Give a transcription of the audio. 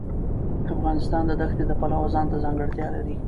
افغانستان د دښتې د پلوه ځانته ځانګړتیا لري.